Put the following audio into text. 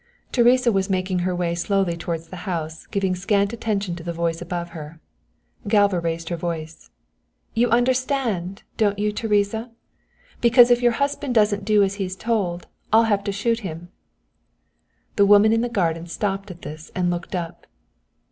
Teresa was making her way slowly towards the house, giving scant attention to the voice above her. Galva raised her voice. "You understand, don't you, Teresa? Because if your husband doesn't do as he's told, I'll have to shoot him." The woman in the garden stopped at this and looked up.